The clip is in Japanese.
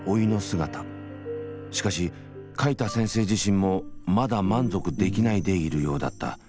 しかし書いた先生自身もまだ満足できないでいるようだった。